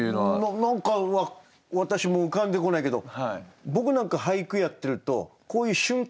何か私も浮かんでこないけど僕なんか俳句やってるとこういう瞬間